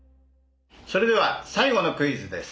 それでは最後のクイズです。